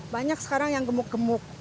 banyak sekarang yang gemuk gemuk